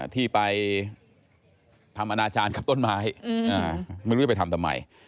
ที่ไปทำอนาจารย์กับต้นไม้ไม่รู้จะไปทำทำไม